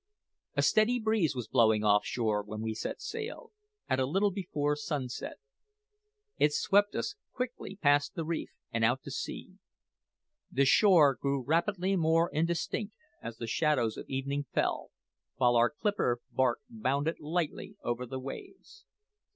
A steady breeze was blowing off shore when we set sail, at a little before sunset. It swept us quickly past the reef and out to sea. The shore grew rapidly more indistinct as the shades of evening fell, while our clipper bark bounded lightly over the waves.